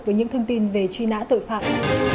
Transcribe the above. với những thông tin về truy nã tội phạm